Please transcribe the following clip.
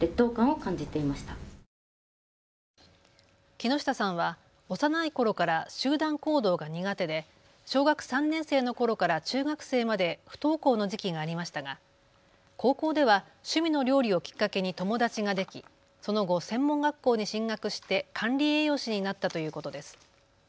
木下さんは幼いころから集団行動が苦手で小学３年生のころから中学生まで不登校の時期がありましたが高校では趣味の料理をきっかけに友達ができ、その後、専門学校に進学して管理栄養士になったということです。